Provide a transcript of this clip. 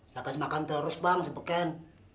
saya kasih makan terus bang si beken